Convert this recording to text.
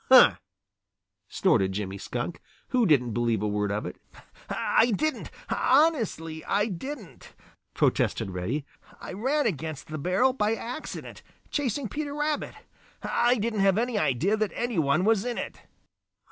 "Huh!" snorted Jimmy Skunk, who didn't believe a word of it. "I didn't. Honestly I didn't," protested Reddy. "I ran against the barrel by accident, chasing Peter Rabbit. I didn't have any idea that any one was in it."